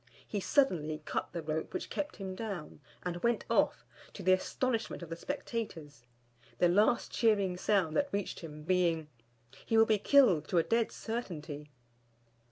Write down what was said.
He suddenly cut the rope which kept him down, and went off, to the astonishment of the spectators: the last cheering sound that reached him being "He will be killed to a dead certainty!"